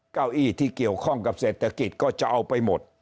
เก้าอี้ที่เกี่ยวข้องกับเศรษฐกิจก็จะเอาไปหมด